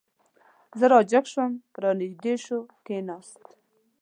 زه را جګ شوم، را نږدې شو، کېناست.